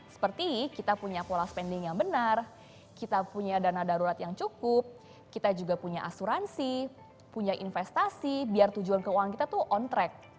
seperti kita punya pola spending yang benar kita punya dana darurat yang cukup kita juga punya asuransi punya investasi biar tujuan keuangan kita tuh on track